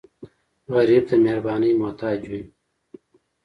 غریب د مهربانۍ محتاج وي